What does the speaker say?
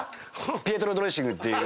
ピエトロドレッシングっていう。